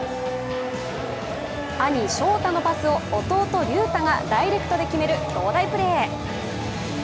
兄・翔太のパスを弟・龍太がダイレクトで決める兄弟プレー。